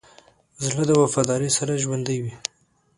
زړه د وفادارۍ سره ژوندی وي.